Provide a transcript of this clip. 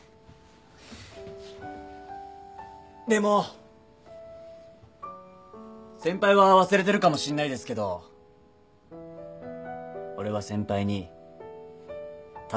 でも先輩は忘れてるかもしんないですけど俺は先輩に助けられたことがあって。